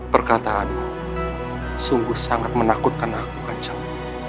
perkataanmu sungguh sangat menakutkan aku kencang